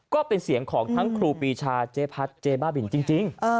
ก็เป็นเสียงของทั้งครูปีชาเจ๊พัดเจ๊บ้าบินจริง